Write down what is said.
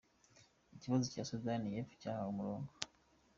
Ikibazo cya Soudan y’Epfo cyahawe umurongo.